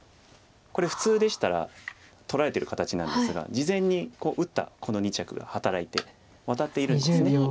これ普通でしたら取られてる形なんですが事前に打ったこの２着が働いてワタっているんです。